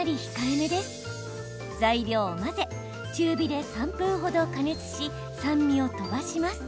材料を混ぜ中火で３分ほど加熱し酸味をとばします。